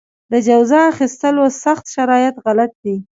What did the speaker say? د جواز اخیستلو سخت شرایط غلط دي.